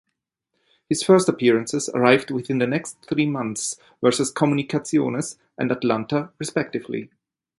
His first appearances arrived within the next three months versus Comunicaciones and Atlanta respectively.